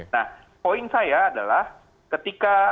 nah poin saya adalah ketika